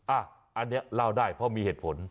อันนี้เล่าได้เพราะมีเหตุผล